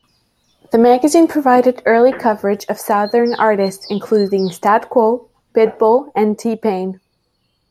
The magazine provided early coverage of southern artists including Stat Quo, Pitbull, and T-Pain.